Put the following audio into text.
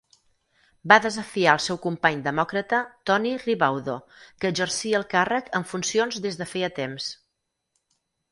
Va desafiar el seu company demòcrata Tony Ribaudo, que exercia el càrrec en funcions des de feia temps.